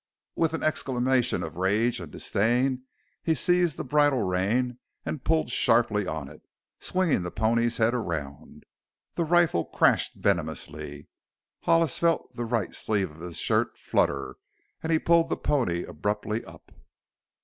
With an exclamation of rage and disdain he seized the bridle rein and pulled sharply on it, swinging the pony's head around. The rifle crashed venomously; Hollis felt the right sleeve of his shirt flutter, and he pulled the pony abruptly up.